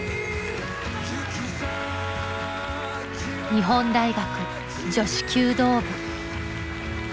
日本大学女子弓道部。